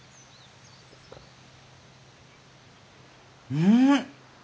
うん！